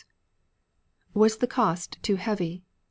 Was the cost too heavy?